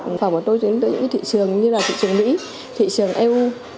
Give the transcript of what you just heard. những thị trường như là thị trường mỹ thị trường eu